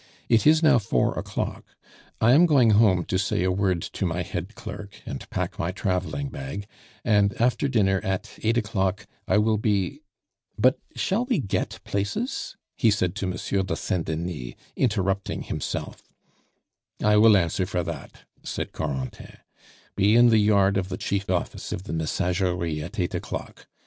"It is now four o'clock. I am going home to say a word to my head clerk, and pack my traveling bag, and after dinner, at eight o'clock, I will be But shall we get places?" he said to Monsieur de Saint Denis, interrupting himself. "I will answer for that," said Corentin. "Be in the yard of the Chief Office of the Messageries at eight o'clock.